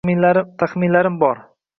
Taxminlarim bor